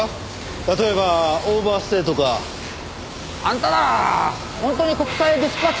例えばオーバーステイとか。あんたら本当に国際ディスパッチ協会から来たの？